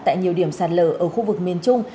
tại nhiều điểm sạt lở ở khu vực miền trung